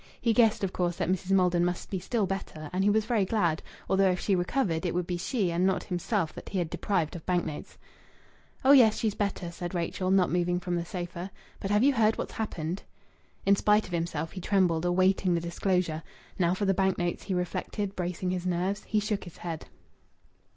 He guessed, of course, that Mrs. Maldon must be still better, and he was very glad, although, if she recovered, it would be she and not himself that he had deprived of bank notes. "Oh yes, she's better," said Rachel, not moving from the sofa; "but have you heard what's happened?" In spite of himself he trembled, awaiting the disclosure. "Now for the bank notes!" he reflected, bracing his nerves. He shook his head.